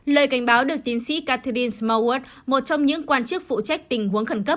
lời cảnh báo được tiến sĩ catherine smart một trong những quan chức phụ trách tình huống khẩn cấp